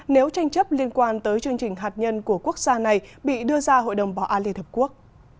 nếu tranh chấp liên quan tới chương trình hạt nhân của quốc gia này bị đưa ra hội đồng bảo an liên hợp quốc